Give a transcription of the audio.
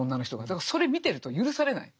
だからそれ見てると許されない。